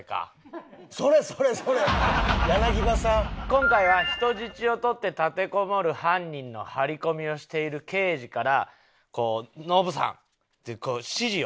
今回は人質を取って立てこもる犯人の張り込みをしている刑事からこう「ノブさん指示を」。